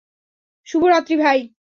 শুভরাত্রি, ভাই।